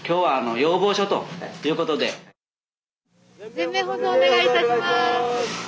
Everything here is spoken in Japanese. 全面保存お願いいたします。